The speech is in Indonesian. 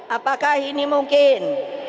apakah ini mungkin